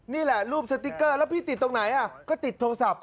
นี่แหละรูปสติ๊กเกอร์แล้วพี่ติดตรงไหนก็ติดโทรศัพท์